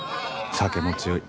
酒も強い。